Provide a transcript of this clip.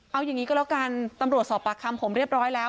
เอาอย่างนี้ก็แล้วกันตำรวจสอบปากคำผมเรียบร้อยแล้ว